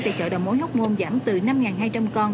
tại chợ đòi mối hốc môn giảm từ năm hai trăm linh con